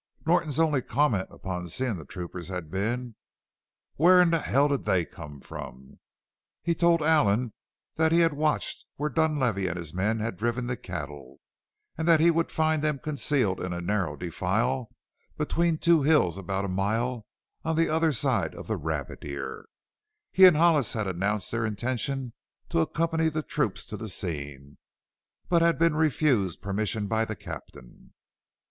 Norton's only comment upon seeing the troopers had been: "Where in hell did them come from?" He told Allen that he had watched where Dunlavey and his men had driven the cattle, and that he would find them concealed in a narrow defile between two hills about a mile on the other side of the Rabbit Ear. He and Hollis had announced their intention to accompany the troop to the scene, but had been refused permission by the captain.